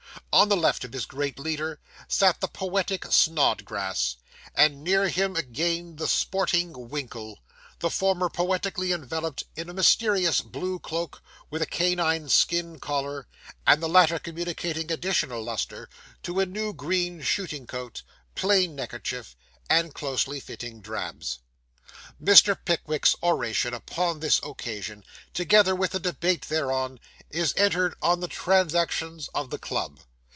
On the left of his great leader sat the poetic Snodgrass, and near him again the sporting Winkle; the former poetically enveloped in a mysterious blue cloak with a canine skin collar, and the latter communicating additional lustre to a new green shooting coat, plaid neckerchief, and closely fitted drabs. Mr. Pickwick's oration upon this occasion, together with the debate thereon, is entered on the Transactions of the Club.